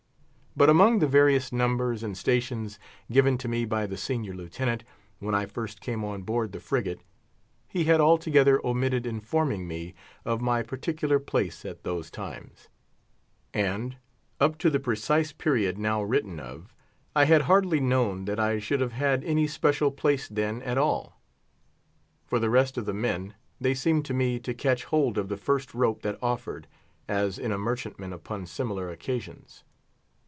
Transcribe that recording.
But among the various numbers and stations given to me by the senior Lieutenant, when I first came on board the frigate, he had altogether omitted informing me of my particular place at those times, and, up to the precise period now written of, I had hardly known that I should have had any special place then at all. For the rest of the men, they seemed to me to catch hold of the first rope that offered, as in a merchant man upon similar occasions.